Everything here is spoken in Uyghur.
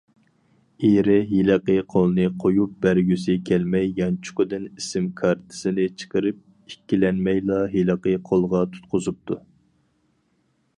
ئېرى ھېلىقى قولنى قۇيۇپ بەرگۈسى كەلمەي يانچۇقىدىن ئىسىم كارتىسىنى چىقىرىپ ئىككىلەنمەيلا ھېلىقى قولغا تۇتقۇزۇپتۇ.